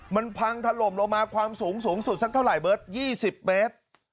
มันพังถล่มลงมาความสูงสูงสุดสักเท่าไหร่เบิร์ต๒๐เมตร